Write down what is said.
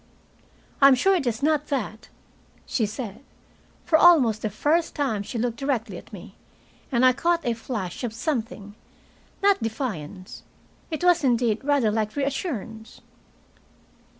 "I am sure it is not that," she said. For almost the first time she looked directly at me, and I caught a flash of something not defiance. It was, indeed, rather like reassurance.